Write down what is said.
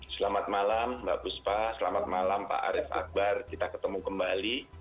selamat malam mbak puspa selamat malam pak arief akbar kita ketemu kembali